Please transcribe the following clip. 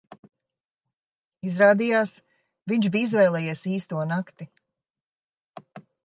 Izrādījās, viņš bija izvēlējies īsto nakti.